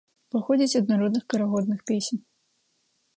Паходзіць ад народных карагодных песень.